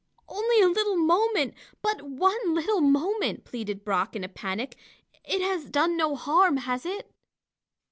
"Only a little moment, but one little moment," pleaded Brock, in a panic. "It has done no harm, has it?"